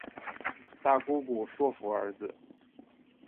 大姑姑说服儿子